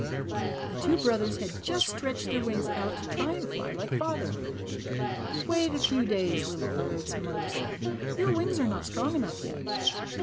The two brothers had just stretched their wings out to "try to fly like father." "Wait a few days, little birds," Mother said. "Your wings are not strong enough yet."